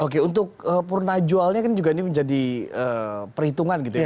oke untuk purna jualnya kan juga ini menjadi perhitungan gitu ya